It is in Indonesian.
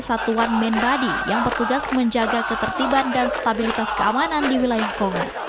satuan mendadi yang bertugas menjaga ketertiban dan stabilitas keamanan di wilayah kongo